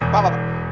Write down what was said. pak pak pak